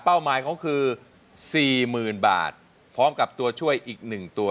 เป้าหมายเขาคือสี่หมื่นบาทพร้อมกับตัวช่วยอีกหนึ่งตัว